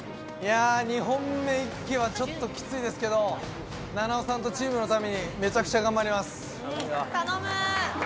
２本目息はきついですけど菜々緒さんとチームのためにめちゃくちゃ頑張ります。